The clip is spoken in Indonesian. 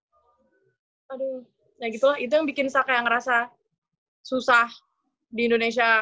aduh ya gitu lah itu yang bikin saya kayak ngerasa susah di indonesia